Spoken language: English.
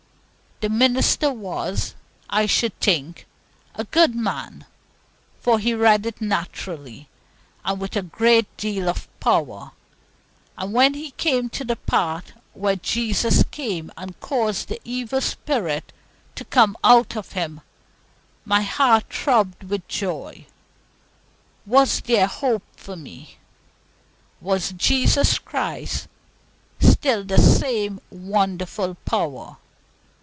The minister was, I should think, a good man, for he read it naturally, and with a great deal of power; and when he came to the part where Jesus came and caused the evil spirit to come out of him, my heart throbbed with joy. Was there hope for me? Was Jesus Christ still the same wonderful power?